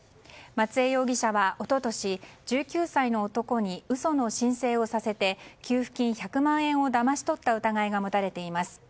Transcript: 松江容疑者は一昨年１９歳の男に嘘の申請をさせて給付金１００万円をだまし取った疑いが持たれています。